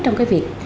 trong cái việc